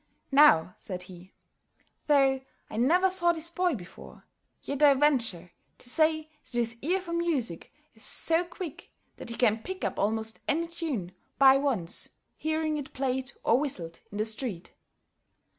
"Now," said he, "though I never saw this boy before, yet I venture to say that his ear for music is so quick that he can pick up almost any tune by once hearing it played or whistled in the street.